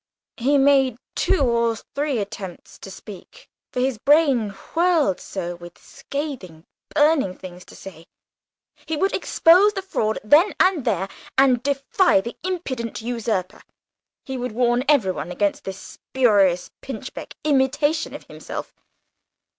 He made two or three attempts to speak, for his brain whirled so with scathing, burning things to say. He would expose the fraud then and there, and defy the impudent usurper; he would warn every one against this spurious pinchbeck imitation of himself.